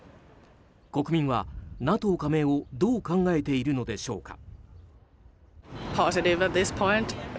国民はＮＡＴＯ加盟をどう考えているのでしょうか。